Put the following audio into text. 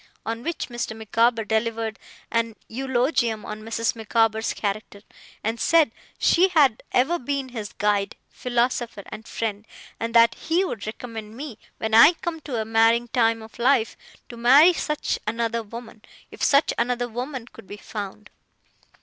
On which Mr. Micawber delivered an eulogium on Mrs. Micawber's character, and said she had ever been his guide, philosopher, and friend, and that he would recommend me, when I came to a marrying time of life, to marry such another woman, if such another woman could be found.